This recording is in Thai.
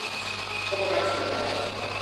กรรมการผู้จัดการ